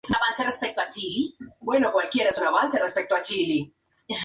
Esta hipótesis no cuenta con un amplio apoyo.